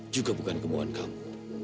juga bukan kemohan kamu